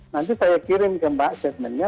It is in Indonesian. nanti saya kirim ke mbak setmennya